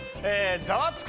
『ザワつく！